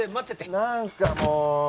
何すかもう。